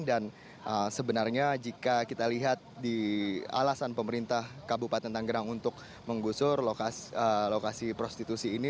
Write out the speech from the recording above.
dan sebenarnya jika kita lihat di alasan pemerintah kabupaten tanggerang untuk menggusur lokasi prostitusi ini